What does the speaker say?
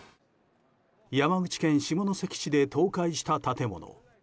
山口県下関市で倒壊した建物。